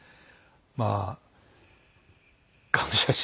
まあ感謝してます。